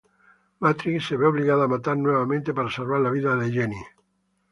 Matrix se ve obligado a matar nuevamente para salvar la vida de Jenny.